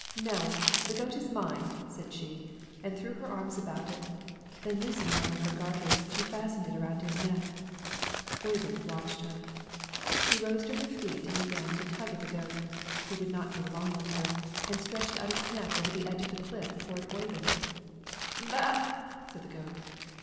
"No, the goat is mine," said she, and threw her arms about it, then loosening one of her garters she fastened it around its neck. Oyvind watched her. She rose to her feet and began to tug at the goat; it would not go along with her, and stretched its neck over the edge of the cliff toward Oyvind. "Ba a a a!" said the goat.